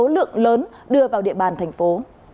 lượng lớn đưa vào địa bàn thành phố